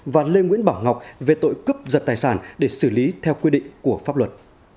và lê nguyễn bảo ngọc về tội cướp giật tài sản để xử lý theo quy định của pháp luật